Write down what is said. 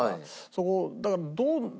そこだからどう。